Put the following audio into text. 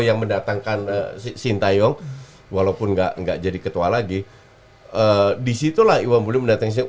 yang mendatangkan sintayong walaupun enggak enggak jadi ketua lagi disitulah iwan bule mendatang